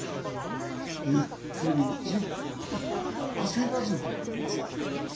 ゆっくりじっくり焦らず学びなされ。